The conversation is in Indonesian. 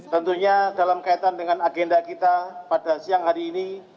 tentunya dalam kaitan dengan agenda kita pada siang hari ini